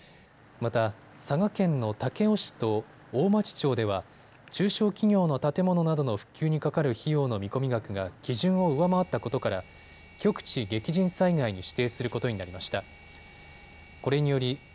また佐賀県の武雄市と大町町では中小企業の建物などの復旧にかかる費用の見込み額が基準を上回ったことから局地激甚災害に指定することになりました。